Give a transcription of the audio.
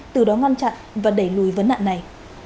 từ đó ngăn chặn và đẩy lùi vấn nạn này